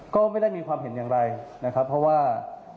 ก็ไม่ได้มีความเห็นอย่างไรนะครับเพราะว่า